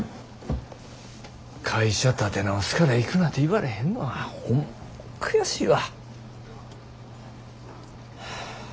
会社立て直すから行くなて言われへんのがホンマ悔しいわ。